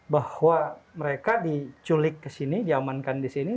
bahwa mereka diculik kesini diamankan di sini